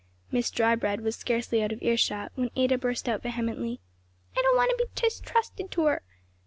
Miss Drybread was scarcely out of earshot when Ada burst out vehemently. "I don't want to be distrusted to her!